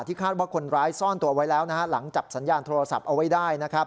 ที่คาดว่าคนร้ายซ่อนตัวไว้แล้วหลังจับสัญญาณโทรศัพท์เอาไว้ได้